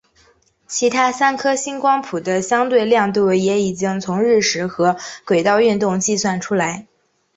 其他三颗星光谱的相对亮度也已经从日食和轨道运动计算出来。